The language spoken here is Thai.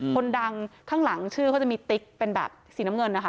คนดังข้างหลังชื่อเขาจะมีติ๊กเป็นแบบสีน้ำเงินนะคะ